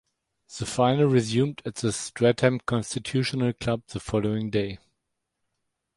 The final resumed at the Streatham Constitutional Club the following day.